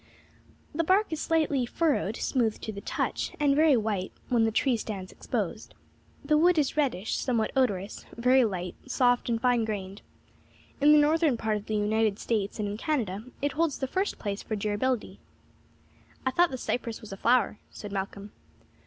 The bark is slightly furrowed, smooth to the touch, and very white when the tree stands exposed. The wood is reddish, somewhat odorous, very light, soft and fine grained. In the northern part of the United States and in Canada it holds the first place for durability." "I thought the cypress was a flower," said Malcolm.